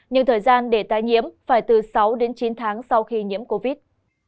nhưng thời gian để tái nhiễm phải từ sáu đến chín tháng sau khi nhiễm covid